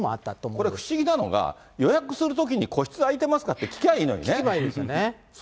これ、不思議なのが、予約するときに個室空いてますか？って聞けばいいんですよね。